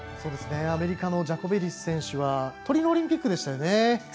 アメリカのジャコベリス選手はトリノオリンピックでしたよね。